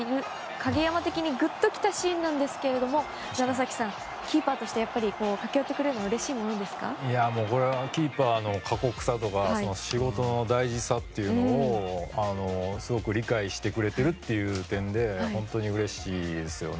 影山的にぐっと来たシーンなんですけど楢崎さん、キーパーとしてやっぱり、駆け寄ってくれるのはキーパーの過酷さとか仕事の大事さをすごく理解してくれているという点で本当にうれしいですよね